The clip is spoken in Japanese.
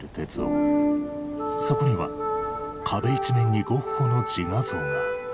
そこには壁一面にゴッホの自画像が。